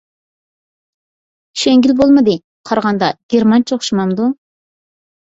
چۈشەنگىلى بولمىدى. قارىغاندا گېرمانچە ئوخشىمامدۇ؟